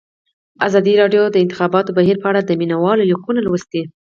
ازادي راډیو د د انتخاباتو بهیر په اړه د مینه والو لیکونه لوستي.